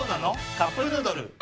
「カップヌードル」